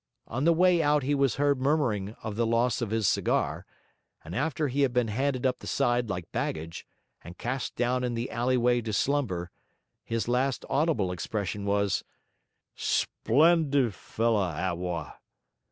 On the way out he was heard murmuring of the loss of his cigar; and after he had been handed up the side like baggage, and cast down in the alleyway to slumber, his last audible expression was: 'Splen'l fl' Attwa'!'